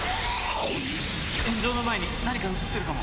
炎上の前に何か映ってるかも。